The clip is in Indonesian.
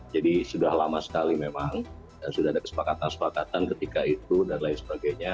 jadi sudah lama sekali memang sudah ada kesepakatan kesepakatan ketika itu dan lain sebagainya